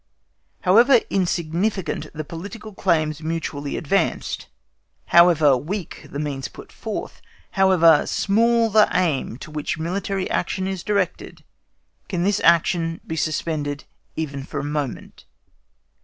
However insignificant the political claims mutually advanced, however weak the means put forth, however small the aim to which military action is directed, can this action be suspended even for a moment?